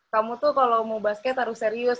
kamu tuh kalau mau basket harus serius